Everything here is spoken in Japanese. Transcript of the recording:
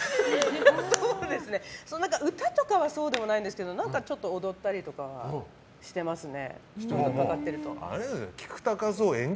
そうですね、歌とかはそうでもないんだけどちょっと踊ったりとかしてますね。